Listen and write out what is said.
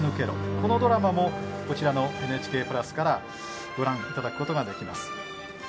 このドラマも「ＮＨＫプラス」からご覧いただくことができます。